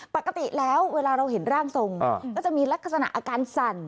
ปกติแล้วเวลาเราเห็นร่างทรงก็จะมีลักษณะอาการสั่น